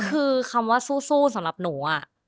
คือคำว่าสู้สำหรับหนู